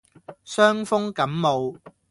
傷風感冒